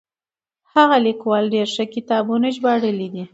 هغه ليکوال ډېر ښه کتابونه ژباړلي دي.